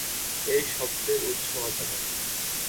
এই শব্দের উৎস অজানা।